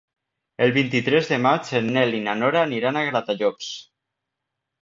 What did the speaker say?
El vint-i-tres de maig en Nel i na Nora aniran a Gratallops.